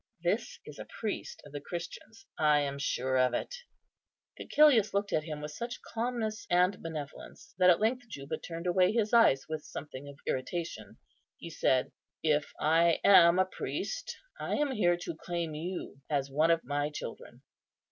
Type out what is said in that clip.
This is a priest of the Christians. I am sure of it." Cæcilius looked at him with such calmness and benevolence, that at length Juba turned away his eyes with something of irritation. He said, "If I am a priest, I am here to claim you as one of my children."